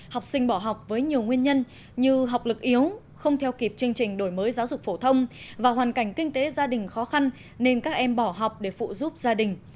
học sinh bỏ học với nhiều nguyên nhân như học lực yếu không theo kịp chương trình đổi mới giáo dục phổ thông và hoàn cảnh kinh tế gia đình khó khăn nên các em bỏ học để phụ giúp gia đình